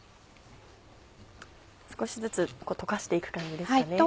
少しずつ溶かしていく感じですかね。